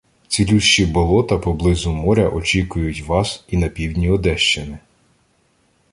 Цілющі болота поблизу моря очікують вас і на півдні Одещини